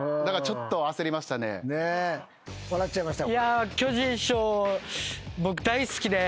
笑っちゃいました？